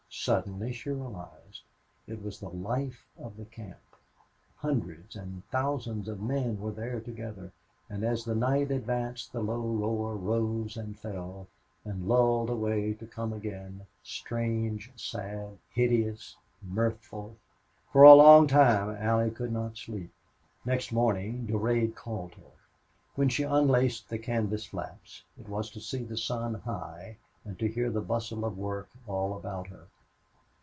Suddenly she realized. It was the life of the camp. Hundreds and thousands of men were there together, and as the night advanced the low roar rose and fell, and lulled away to come again strange, sad, hideous, mirthful. For a long time Allie could not sleep. Next morning Durade called her. When she unlaced the canvas flaps, it was to see the sun high and to hear the bustle of work all about her.